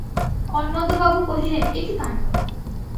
অন্নদাবাবু কহিলেন, এ কী কাণ্ড!